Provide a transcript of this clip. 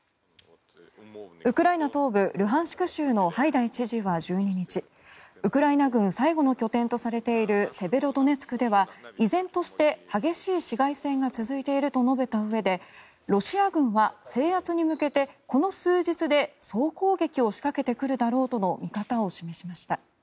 ウクライナ東部ルハンシク州のハイダイ知事は１２日ウクライナ軍最後の拠点とされているセベロドネツクでは依然として激しい市街戦が続いていると述べたうえでロシア軍は制圧に向けてこの数日で総攻撃を仕掛けてくるだろうとの見方を示しました。